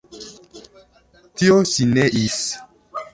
Tio ŝi neis.